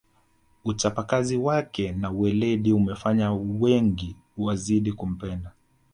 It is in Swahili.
uchapakazi wake na uweledi umefanya wengi wazidi kumpenda